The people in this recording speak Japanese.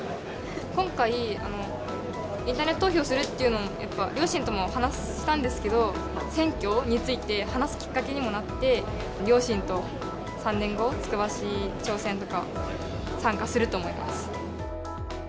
今回、インターネット投票するっていうのもやっぱ、両親とも話したんですけど、選挙について話すきっかけにもなって、両親と３年後、つくば市長選とか、参加すると思います。